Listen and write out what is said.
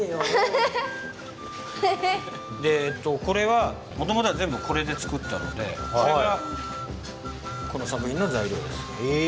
これはもともとは全部これでつくったのでこれがこの作品の材料です。